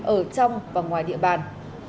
ở trong và ngoài địa bàn